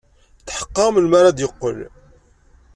Tḥeqqeɣ melmi ara d-yeqqel.